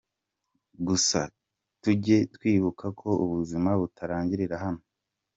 Gusa tujye twibuka ko ubuzima butarangirira hano.